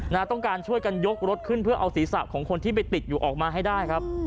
ต้องการช่วยกันยกรถขึ้นเพื่อเอาศีรษะของคนที่ไปติดอยู่ออกมาให้ได้ครับ